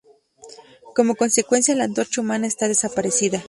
Como consecuencia, la Antorcha Humana está desaparecida.